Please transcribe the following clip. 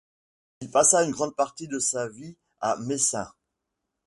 Il passa une grande partie de sa vie à Meissen.